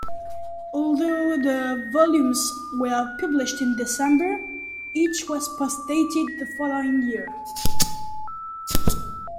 Although the volumes were published in December, each was postdated the following year.